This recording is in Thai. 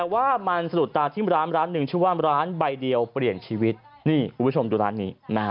นี่คุณผู้ชมดูร้านนี้เป็นแผงขายล็อตเตอรี่